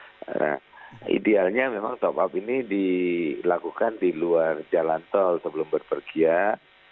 nah idealnya memang top up ini dilakukan di luar jalan tol sebelum berpergian